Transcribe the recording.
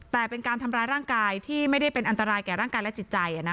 แต่เป็นการทำร้ายร่างกายที่ไม่ได้เป็นอันตรายแก่ร่างกายและจิตใจ